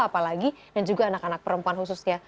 apalagi dan juga anak anak perempuan khususnya